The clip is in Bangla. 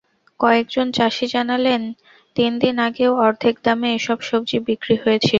কয়েকজন চাষি জানালেন, তিন দিন আগেও অর্ধেক দামে এসব সবজি বিক্রি হয়েছিল।